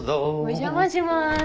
お邪魔します。